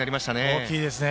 大きいですね。